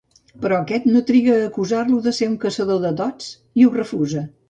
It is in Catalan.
Però aquest, no triga a acusar-lo de ser un caçador de dots i ho refusa.